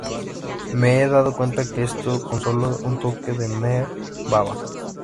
Me he dado cuenta de esto con sólo un toque de Meher Baba".